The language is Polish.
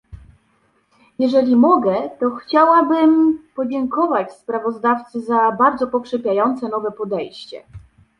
Jeżeli mogę, to chciałabym podziękować sprawozdawcy za bardzo pokrzepiające nowe podejście